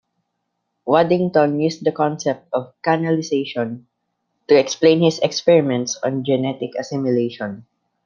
Waddington used the concept of canalisation to explain his experiments on genetic assimilation.